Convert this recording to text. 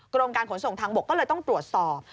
กรมการขนส่งทางบกก็เลยต้องตรวจสอบ